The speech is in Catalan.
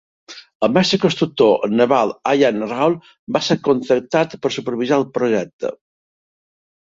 El mestre constructor naval Allan Rawl va ser contractat per supervisar el projecte.